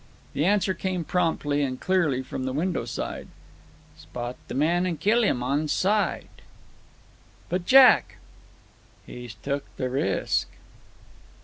The answer came promptly and clearly from the window side: "Spot the man, and kill him on sight." "But, Jack?" "He's took the risk!"